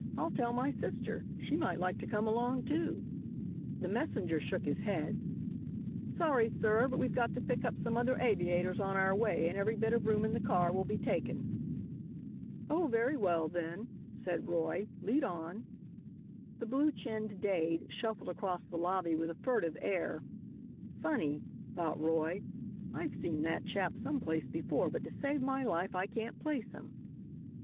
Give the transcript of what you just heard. I'll tell my sister. She might like to come along, too." The messenger shook his head. "Sorry, sir; but we've got to pick up some other aviators on our way and every bit of room in the car will be taken." "Oh, very well, then," said Roy, "lead on." The blue chinned Dade shuffled across the lobby with a furtive air. "Funny," thought Roy. "I've seen that chap some place before, but to save my life I can't place him."